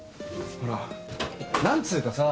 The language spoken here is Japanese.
ほらっ何つうかさ